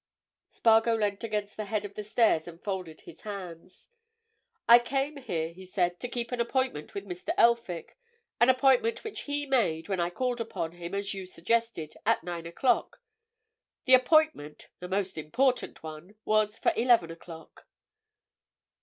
Spargo leant against the head of the stairs and folded his hands. "I came here," he said, "to keep an appointment with Mr. Elphick—an appointment which he made when I called on him, as you suggested, at nine o'clock. The appointment—a most important one—was for eleven o'clock."